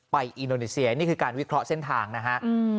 อินโดนีเซียนี่คือการวิเคราะห์เส้นทางนะฮะ